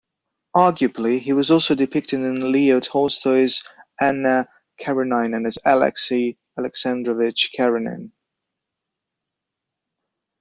Arguably he was also depicted in Leo Tolstoy's "Anna Karenina" as Alexei Alexandrovich Karenin.